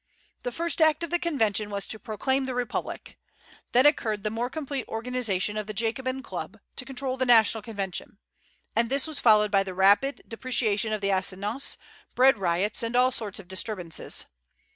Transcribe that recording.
The first act of the Convention was to proclaim the Republic. Then occurred the more complete organization of the Jacobin club, to control the National Convention; and this was followed by the rapid depreciation of the assignats, bread riots, and all sorts of disturbances.